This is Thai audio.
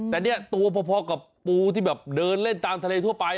แต่เนี่ยตัวพอกับปูที่แบบเดินเล่นตามทะเลทั่วไป